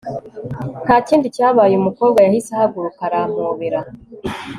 ntakindi cyabaye, umukobwa yahise ahaguruka arampobera